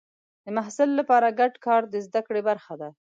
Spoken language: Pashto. د محصل لپاره ګډ کار د زده کړې برخه ده.